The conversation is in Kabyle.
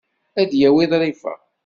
Ad d-yawi ḍrifa.